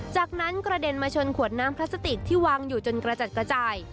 จากนั้นกระเด็นมาชนขวดน้ำพลาสติกที่วางอยู่จนกระจัดกระจาย